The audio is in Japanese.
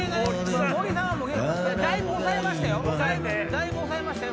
だいぶ抑えましたよ